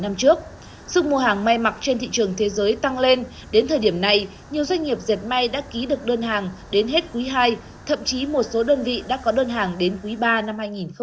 năm trước sức mua hàng may mặc trên thị trường thế giới tăng lên đến thời điểm này nhiều doanh nghiệp diệt may đã ký được đơn hàng đến hết quý hai thậm chí một số đơn vị đã có đơn hàng đến quý ba năm hai nghìn hai mươi